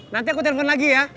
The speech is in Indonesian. nanti aku telepon lagi ya